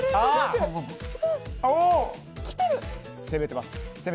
攻めてます。